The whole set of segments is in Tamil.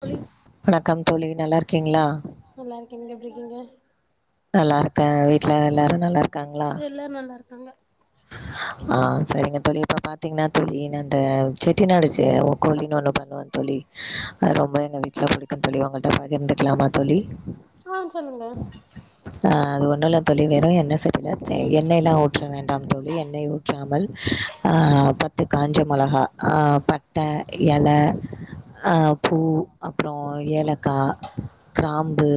தோழி வணக்கம் தோழி நல்லார்க் கிங்ளா நல்லாருக்கே நீங்க எப்டி இருக்கிங்க நல்லாருக்கே வீட்ல எல்லாரு நல்லாருக் எல்லாரு நல்லாருக் காங்க ஆ சரிங்க தோழி இப்ப பாத்திங்னா தோழி நா அந்த செட்டி நாடு சு கோழினு ஒண்ணு பண்ணுவே தோழி அத ரொம்ப எங்க வீட்ல புடிக்கு தோழி உங்கள்ட்ட பகிர்ந்துக்லாமா தோழி ஆ சொல்லுங்க ஆ அது ஒன்னுல்ல தோழி வெறு எண்ணெ சட்டில தே எண்ணெய்லா ஊற்ற வேண்டாம் தோழி எண்ணெய் ஊற்றாமல் ஆ பத்து காஞ்ச மொளகா ஆ பட்ட எல ஆ பூ அப்புற ஏலக்கா கிராம்பு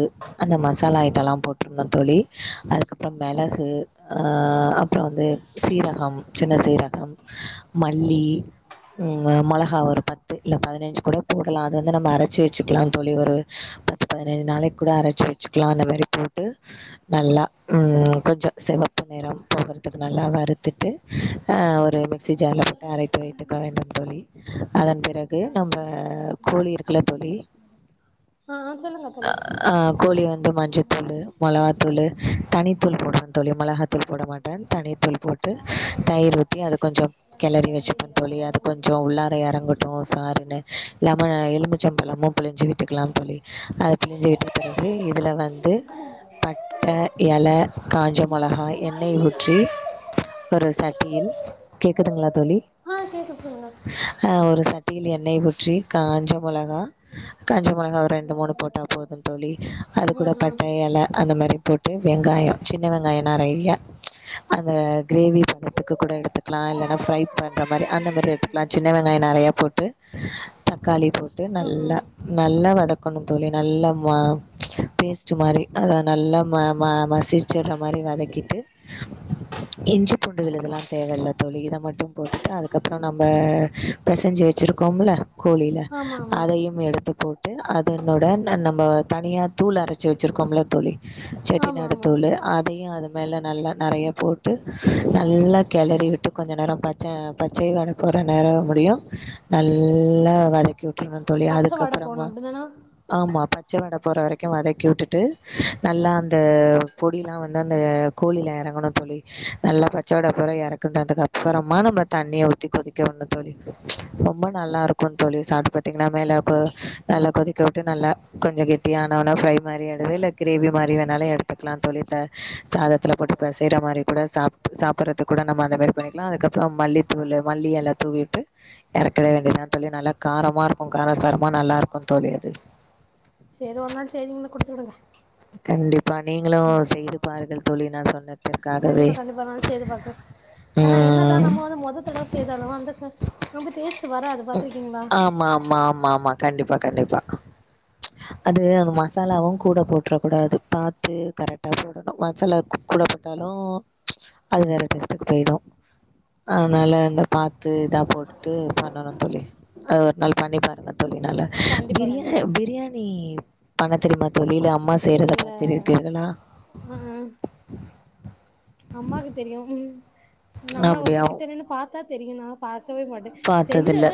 அந்த ம் மசாலா ஐட்டலா ம் போட்றனு தோழி அதுக்கப்புற மெளகு அ அப்ற வந்து சீரகம் சின்ன சீரகம் மல்லி ம் மொளகா ஒரு பத்து இல்ல பதினஞ்சு கூட போடலா அது வந்து நம்ம அரைச்சு வெச்சுக்லா தோழி ஒரு பத்து பதனைஞ்சு நாளைக்கு கூட அரைச்சு வெச்சுக்லா அந்த மாரி போட்டு நல்லா ம் கொஞ்ச செவப்பு நிறம் போகறதுக்கு நல்லா வறுத்துட்டு அ ஒரு மிக்சி ஜார்ல போட்டு அரைத்து வைத்துக்க வேண்டும் தோழி அதன் பிறகு நம்ம கோழி இருக்குல தோழி ஆ ஆ சொல்லுங்க தோழி ஆ கோழி வந்து மஞ்சத்தூளு மொளகாத்தூளு தனித்தூள் போடுவே தோழி மொளகாத்தூள் போட மாட்டன் தனித்தூள் போட்டு தைர் ஊத் தீ அத கொஞ்சொ கெளரி வெச்சுப்பெந்தோழி அது கொஞ்சொ உள்ளார எறங்கட்டு சாருன்னு லெம எலுமிச் ச்சம்பளமும் புழிஞ்சு விட்டுக்கலாம் தோழி அத புழிஞ்சு விட்ட பிறகு இதுல வந்து பட்ட எல காஞ்ச மொளகா எண்ணெய் ஊத் ற்றி ஒரு சட்டியில் கேக்குதுங்களா தோழி ஆ கேக்குது சொல்லுங்க ஆஹ் ஒரு சட் சட்டியில் எண்ணெய் ஊற்றி காஞ்ச மொ மொளகா காஞ்ச மொளகா ஒரு ரெண்டு மூணு போட்டா போதும் தோழி அது கூட ம் ம் பட்ட எலை அந்த மாரி போட்டு வெங்காயம் சின்ன வெங்காயம் நெறையா ப்ச் அத அத கிரேவி பதத்துக்கு கூட எடுத்துக்கலா இல்லனா ஃப்ரை பண்ணுற மாதிரி அந்த மாதிரி எடுத்துக்கலா சின்ன வெங்காயம் நெறையா போட்டு தக்காளி போட்டு ம் நல்லா ம் நல்லா வட கனும் தோழி நல்லா மா ச்சு பேஸ்ட்டு மாதிரி அத நல்லா ம ம மசிச்சிடுற மாரி வதக்கிட்டு இஞ்சி பூண்டு விழுதுலா தேவ இல்ல தோழி இதை மட்டும் போட்டுட்டு அதுக்கப்புறோ நம்ப பெசைஞ்சு வச்சிருக் கோம்ல கோழில ஆமா ஆமா அதையும் எடுத்து போட்டு அதனுடன் நம்ம தனியா தூள் அரைச்சு வச்சுருக்கோம்ல தோழி ஆமா செட்டிநாடு ஆமா தூளு அதையு அது மேல நல்ல நெறைய போட்டு நல்லா கிளரி விட்டு கொஞ்ச நேரம் பச்ச பச்சை வாடா போற நேரம் முடியு நல்ல வதக் வதக்கிவிட்டாருனு தோழி பச்ச வாட போடனு அதுக்கப்பறமா அப்டிதான ஆமா பச்சவாடா போற வரைக்கு வதக்கி வுட்டுட்டு நல்லா அந்த பொடிலா வந்து அந்த கோழில இறங்கணுந் தோழி நல்லா பச்சவாடபோற இறக்கணுதுக்கு அப்புறமா நம்ம தண்ணிய ஊத்தி கொதிக்கவிடணு தோழி ரொம்ப நல்லா இருக்குந் தோழி சாப்டட்டு பாத்திங்கன்னா மேல நல்லா கொதிக்க விட்டு நல்லா கொஞ்சோ கெட்டியா ஆன ஒன்னா ஃப்ரை மாரி எடு இல்ல கிரேவி மாரி வேணாலு எடுத்துக்கலாந் தோழி த சாத த்துல போட்டு பெசயற மாரி கூட சாப் சாப்றதுக்கு கூட நம்ம அந்த மாரி பண்ணிக்கலா அதுக்கப்புறம் மல்லி தூள் மல்லி எல தூவி விட்டு இறக்க வேண்டியதாந் தோழி நல்லா காரமா இருக்கு காரசாரமா நல்லா இருக்குந் தோழி அது சேரி ஒரு நாள் செய்திங்கன்னு குடுத்து விடுங்க கண்டிப்பா நீங்களு செய்து பாருங்கள் தோழி சொன்ன கண்டிப்பா கண்டிப்பா நா செய்து பாக்ற ஆனா என்னதா ம். நம்ம வந்து மொத தடவ செய்தாலு அந்த க ரொம்ப டேஸ்ட் வராது பாத்திருக்கீங்களா ஆமாமாமாமா கண்டிப் கண்டிப்பா கண்டிப்பா ப்ச் அது அந்த மசாலாவுங் கூட போட்ற கூடாது பாத்து கரெக்டா போடணு மசாலா கூட போட்டாலு ப்ச் அது வேற டேஸ்ட்டுக்கு போயிடு அதனால அந்த பாத்து இதா போட்டு தோழி அது ஒரு நாள் பண்ணி பாருங்க தோழி நாளா கண்டிப்பா பிரியா கண்டிப்பா பிரியாணி பண்ணத் தெரியுமா தோழி இல்ல அம் அம்மா செய்யறத இல்ல பார்த்திருக்கீர்களா ம் ம் அம்மாக்கு தெரியு ம் நம்ம ஒர்கு அப்படியா? கிட்ட நின்னு பாத்தா தெரியுண்ணா பாத் பாத்ததில்ல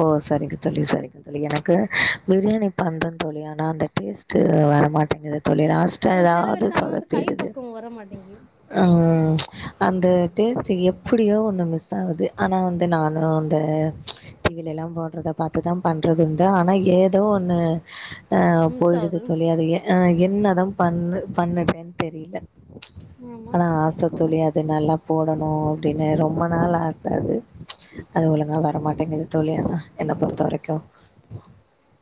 ஓ சரிங்க தோழி சமரிங்க அது எனக்கு பிரியாணி பண்ற தோழி ஆனா அந்த டேஸ்ட்டு வர மாட்டேங்குது தோழி லாஸ்டா சில ஏதாவது பேருக்கு அந்த வந்து கை சொதப்பிடுது பக்குவோ வர மாட்டேங்கி உம் அந்த டேஸ்ட்டு எப்டியோ ஒன்னு மிஸ் ஆவுது ஆனா வந்து நானு இந்த டிவில எல்லா போடுறத பாத்துதா பண்றது உண்டு ஆனா ஏதோ ஒன்னு ஆஹ் மிஸ் போய்டுது ஆவுது தோழி ஆஹ என்னதா பண்ணு பண்ணதுன்னு தெரியில ஆமா ஆனா ஆச தோழி அது நல்லா போடணு அப்டினு ரொம்ப நாள் ஆச அது ஒழுங்கா வரமாட்டேங்குது தோழி என்ன பொறுத்த வரைக்கோ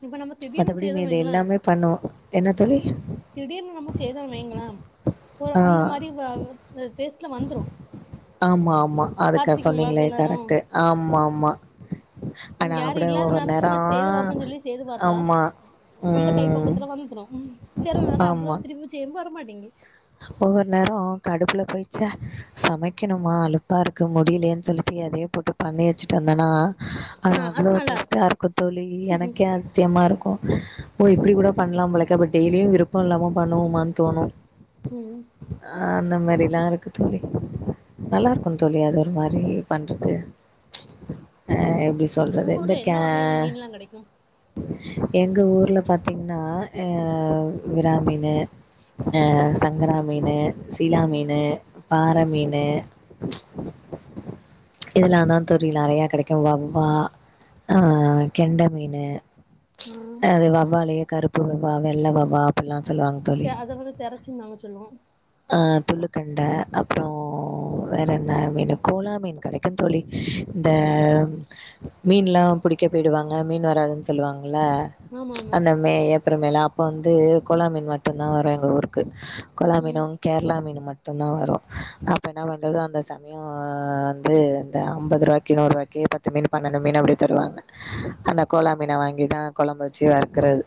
இப்ப நம்ம மறத்த திடீர்னு படி செய்தோன் மிதி வைங்களே எல்லாமே பண்ணுவோ என்ன தோழி திடீர்னு நம்ம செய்தோ வெய்யிங்களே ஒர் ஆ அந்த மாரி டெஸ்ட்லா வந்துரு ஆமா ஆமா அதுக்கு பாத் சொன்னீங்களே கரெக்டு ஆமா ஆமா ஆனா யாரு கூட இல்லாத ஒவ்வொரு நேரோ சும்மா செய்து பாப்போன்னு சொல்லி செய்து பாத்தா ஆமா அந்த ம் கைப்பக்குவத்துல வந்துரு செல நேரோ அப்புறோ ஆமா திருப்பி செய்யும் போ வரமாட் ங்கி ஒவ்வொரு நேரோ கடுப்புல போயி ச்சே சமைக்கணுமா அலுப்பா இருக்கு முடியலேன்னு சொல்லிட்டு எதையோ போட்டு பண்ணி வெச்சுட்டு வந்தேன்னா அது ஆ அவ்ளோ நல்லா இருக்கு டேஸ்டா இருக்கோ தோழி எனக்கே அதிசியமா இருக்கோ. ஓ இப்டி கூட பண்லா போலக்கே அப்ப டெய்லியு விருப்போ இல்லாம பண்ணுவோமானு தோணு உம் ஆஹ் அந்த மாரில்லா இருக்கு தோழி நல்லா இருக்கோ தோழி அது ஒரு மாரி பண்றது அஹ் எப்டி சொல்றது உங்க ஊர்ல எந்த இந்தக்கே வகையான மீன்லா கெடைக்கு எங்க ஊர்ல பாத்தீங்கன்னா அஹ் விரா மீனு ம் அஹ ம் சங்கரா மீனு சீலா ம் மீனு பாற மீனு இதெல்லா தா தோழி நெறைய கெடைக்கு வவ்வா ஆ கெண்ட மீனு ம் அது வவ்வாலு கருப் வா வெள்ள வவ்வா அப்பிட்லா த அத வந்து தெரச்சினு நாங்க சொல் சொல்லுவோ அஹ் துள்ளுகெண்ட அப்புறோ வேற என்ன மீனு கோலா மீன் கெடைக்குந் தோழி இந்த மீன்யெல்லா புடிக்க போயிடுவாங் அஹ் மீன் வராதுனு சொல்லுவாங்க ல ஆமா ப்ச் ஆமா அந்த மே ஏப்ரல் மேலா அப்போ வந்து கோலா மீன் மட்டுந்தா வரு எங்க ஊருக்கு. கோலா ம் ம் மீனு கேரளா மீனு மட் டுந்தா வரு அப்ப என்ன பண்றது அந்த சமயோ வந்து இந்த ஐம்பது ரூபாய்க்கி நூறு ரூபாய்க்கி பத்து மீனு பன்னெண்டு மீனு அப்படி தருவாங்க அந்த கோலா மீன வாங்கிதா கொழம்பு வெச்சு வறுக்கறது.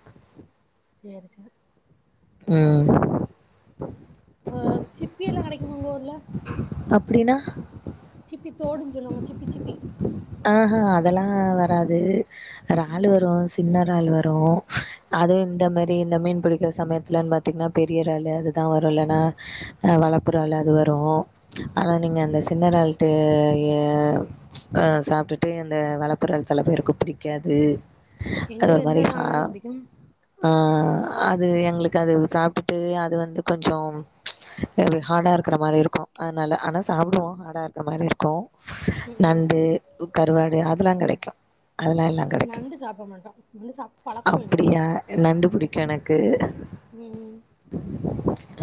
செரி செ உம் வ சிப்பி எல்லா கெடைக்குமா உங்க ஊர்ல? அப்டினா? சிப்பி தோடுனு சொல்லுவாங்க சிப்பி சிப்பி ஆஹா அதெல்லா வராது. ராலு ம் வரு சின்ன ராலு வ ரு அது இந்த மாரி இந்த மீன் பிடிக்கிற சமயத் லன்னு பாத்தீங்கன்னா பெரிய ராலு அதுதா வரு இல்லனா அஹ் வளப்புராலு அது வரு ஆனா நீங்க அந்த சின்ன ராலுக்கு யஹ் அஹ் ப்ச சாப்ட்டுட்டு அந்த வளப்புராலு செல பேருக்கு பிடிக்காது அது ஒரு எங்களுக்கு எந்த மாரிஹா இறால்னாலு புடிக்கு ஆஹ் அது எங்களுக் கு அது சாப்ட்டுட்டு அது வந்து கொஞ்சோ ப்ச் எப்டி ஹார்டா இருக்குற மாரி இருக்கோ அதுனால ஆனா சாப்பிடுவோ ஹார்டா இருக்கிற மாரி இருக்கூ ம் ம் நண்டு கு கருவாடு அதெல்லா கெடைக்கு. அதெல்லா எல்லா கெடைக்கு நண்டு சாப்ட மாட்டோ நண்டு சாப்ட்டு பழக்கோ இல்ல அப்படியா நண்டு பிடிக்கூ எனக்கு. ம் ம்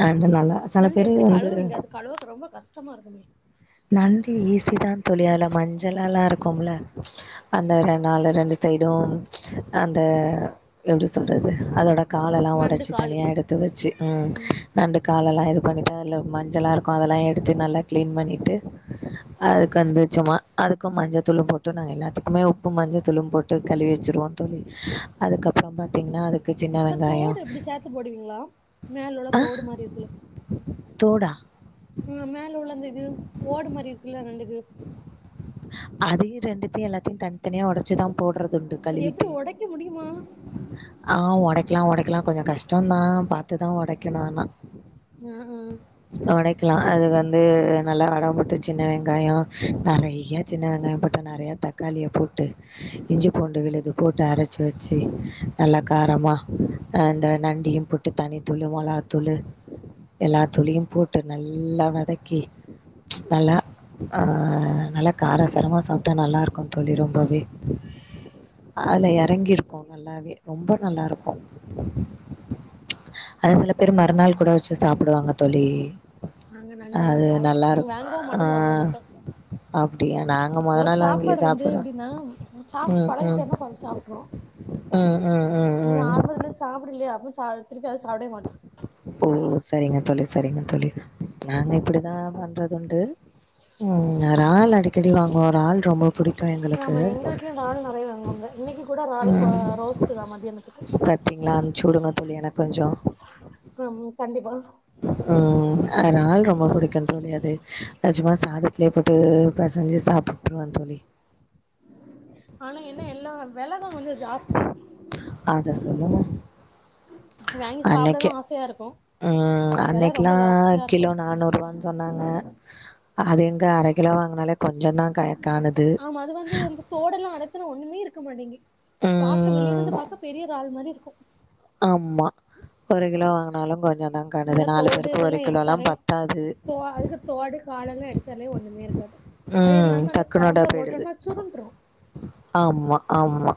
நண்டு நல்லா செல நண்டு பேரு எப்டி வந்து, கழுவுவீங்க அது கழுவ ரொம்ப கஷ்டமா இருக்குமே நண்டு ஈசிதா தோழி அதல மஞ்சள்லல்லா இருக்கு கோம்ல ப்ச் அந்த ந்த நாாலு ரெண்டு சைடும் ப்ச் அந்த எப்டி சொல்றது அதோட காலெல்லா நண்டு ஒடச்சு காலு தனியா எடுத்து வெச்சு ம் நண்டு காலெல்லா இது பண்ணிட்டு அதல மஞ்சளாருக்கு அதெல்லா எடுத்து நல்லா க்ளீன் பண்ணிட்டு, அதுக்கு வந்து சும்மா அதுக்கும் மஞ்சள் தூளும் போட்டு நாங்க எல்லாத்துக்குமே உப்பும் மஞ்சத்தூளும் போட்டு கழுவி வெச்சுருவோந் தோழி. அதுக்கப்புறம் பாத்தீங்கன்னா அது சின்ன வெங்காயோ த்து போடுவீங்களா? மேலெல்லா தோடு மாரி இருக்குல தோடா ம் மேலுல்ல அந்த இது ஓடு மாரி இருக்குல்ல நண்டுக்கு அதயு ரெண்டுத்தயு எல்லாத்தயு தனித் தனியா உடச்சிதா போடுறது உண்டு அது கழுவிட்டு, எப்டி ஒடைக்க முடியுமா ஆஹ் ஒடைக்கலா ஒடைக்கலா கொஞ்சோ கஷ் டோந்தா பாத்துதா ஒடைக்கணு ஆனா ஆ ஆ ஒடைக் க்லா அது வந்து நல்லா வடவம்போட்டு சின்ன வெங்காய நறையா சின்ன வெங்காயம் போட்டு நறையா தக்காளிய போட்டு இஞ்சி பூண்டு விழுது போட்டு அரச்சி வச்சு நல்லா காரமா அ அந்த நண் டையு போட்டு தனி தூளு மொளகா தூளு எல்லா தூளயு போட்டு நல்லா வதக்கி நல்லா அ நல்லா காரசாரமா சாப்ட்டா நல்லாருக்கு தோழி ரொம்பவே அதுல சேரி சேரி எறங்கிருக்கு நல்லாவே ரொம்ப நல்லாருக்கு அது சில பேர் மறுநாள் கூட வெச்சு சாப்புடுவாங்க தோழி நாங்க நண்டெல்லா அது சாப்ட நல்லாருக் வாங்கவு மாட்டோ ஆ சாப்ட மாட்டோ அ ஒரு சாப்பாடு வந்து எப்டினா சாப்ட்டு ம், ம். பழகிட்டோனா கொஞ்ச சாப்ட்ருவோ ம், ம், ம், இது ம். ஆரம்பத்துலருந்து சாப்பிடலயா அப்ப அ திருப்பி அது சாப்டவே மாட்டோ ஓ அப்டி சரிங்க தோழி சரிங்க தோழி நாங்க இப்பிடிதா பண்றதுண்டு ம் றால் அடி கடி வாங்குவோ றால் ரொம்ப புடிக்கும் எங்களுக்கு. ஆமா எங்க வீட்லயு றால் நெறையா வாங்குவாங்க இன்னைக்கு கூட றால் கொ ரோஸ்ட்டுதா மத்யானத்துக்கு பாத்திங்ளா அனுப்சி உடுங்க தோழி எனக் கொஞ்ச பா ம் ஆ றால் ரொம்ப புடிக்கு தோழி அது சும்மா சாதத்துலயே போட்டு பெசஞ்சு சாப்பிட்ருவ தோழி ஆனா என்ன எல்லா வெலதா கொஞ்ச ஜாஸ்தி அத சொல்லுங்க வாங்கி அன்னைக்கு சாப்படணு ஆசையா இருக்கு ம் வெல ரொம்ப அன்னைக்லா ஜாஸ்தியா இருக்கு கிலோ நானூறுவான் சொன்னாங்க அது எங்க அர கிலோ வாங்குனாலே கொஞ்சந்தா க காணுது ஆமா அது வந்து இந்த தோடெல்லா அடத்துனா ஒண்ணுமே இரு க்க மாட்டிங் பாக்க வெளிலிந்து பாக்க பெரிய‌ றால் மாரி இருக்கு ஆம்மா ஒரு கிலோ வாங்குனாலு கொஞ்சந்தா காணுது அதா நாலு தோடு பேருக்கு இதெல்லா ஒரு கிலோல்லா எடுத்தாலே பத்தாது த்தாலே ஒண்ணுமே இருக்காது அது ம் இல்லாம அந்த தக்குனோடா கொழம்புல போய்டுது போட்டோம்னா சுருண்டுரு ஆம்மா ஆம்மா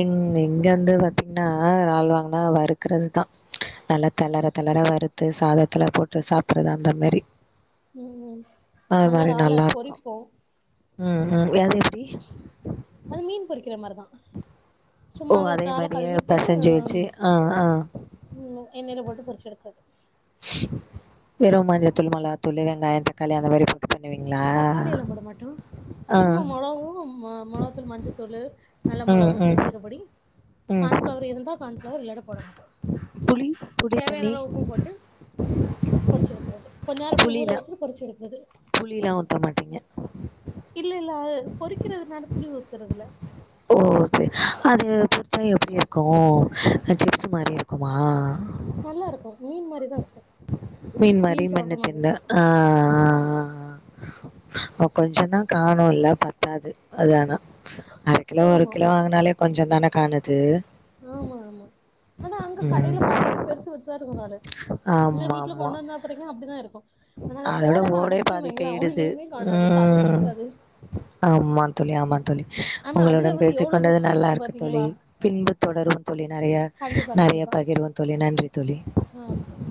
எங் இங்க ந்து பாத்தீங்ன்னா நால் வாங்னா வறுக்றதுதா நல்லா தளற தளற வறுத்து சாதத்துல போட்டு சாப்புறது அந்த மேரி ம் அது நாங்க மாரி இறால நல்லார்க்கு பொறிப்போ ம் ம் யது எப்டி அது மீன் பொறிக்கிற மார்தா ஓ சும்மா அதே றால மாரியே கழுவிட்டு பெசஞ்சு வச்சு ஆ ஆ ம் எண்ணெய்ல போட்டு பொறிச்செடுக்கது வெறு மஞ்சதூள் மெளகாதூளு வெங்காய தக்காளி அந்த மாரி பண்ணுவீங்களா தக்காளி எல்லா போட மாட்டோ ஆ சும்மா மொளவோ மொளத்துளு மஞ்சத்தூளு நல்ல ம் மொளவு ம் பெருஞ்சீரப்பொடி ம் கான்ஃப்ளவரு இருந்தா கான் நோர் இல்லேட போடனு புளி புளி தேவையான தண்ணி அளவ் உப்பும் போட்டு பொறுச்சி எடுக்குறது கொந்நேர அப்டி ஊற வச்சிட்டு பொறிச்சு எடுக்குது த மாட்டிங்க இல்ல இல்ல அ பொறிக்கிறதுனால புளி ஊத்துறதுல ஓ சேர் அது புச்சா எப்டி இர்க்கோ அ ஜெம்ஸு மாரி இர்க்குமா ஆ நல்லாருக்கு மீன் மாரிதா இருக்கு மீன் மாரி மெண்ணு சாப்ட்ற மாரி தின்ன இருக்கு ஆஆஆஆ ஓ கொஞ்ச தா காணோல்ல பத்தாது அதுஆனா கிலோ ஒரு ஆமா கிலோ வாங்னாலே கொஞ்சோ தான காணுது ஆம்மாம்மா ஆனா அங்க கடைல ம் பாக்கமோ பெருசு பெருசு இருக்கும் காலு இல்ல வீட்ல ஆமாமா. கொண்டு வந்தா பாத்துருகே அப்டிதா இருக் அதோட ஓடே பாதி பெய்டுது ஒன்னையுமே காணாது சதையே ம் இருக்காது ஆம்மா தோழி ஆமா தோழி ஆனா அதுல உங்களுடன் வந்து எவ்ளோ பேசிக்கொண்டது ருசி இருக்கு நல்லாருக்கு தோழி பாத்தீங்களா பின்பு தொடரு தோழி நறய கண்டிப்பா நறயா கண்டிப்பா பகிர்வோ தோழி நன்றி தோழி ஆ சரி